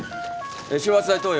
昇圧剤投与。